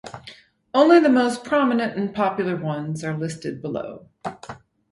Only the most prominent and popular ones are listed below.